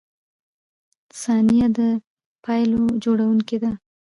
• ثانیه د پایلو جوړونکی ده.